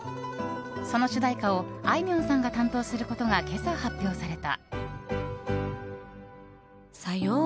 その主題歌をあいみょんさんが担当することが今朝、発表された。